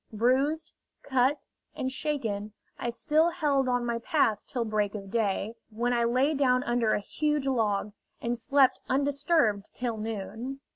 Bruised, cut, and shaken, I still held on my path till break of day, when I lay down under a huge log, and slept undisturbed till noon.